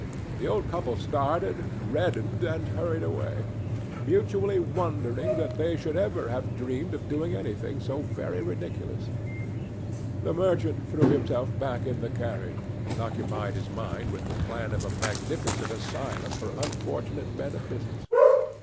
The old couple started, reddened and hurried away, mutually wondering that they should ever have dreamed of doing anything so very ridiculous. The merchant threw himself back in the carriage and occupied his mind with the plan of a magnificent asylum for unfortunate men of business.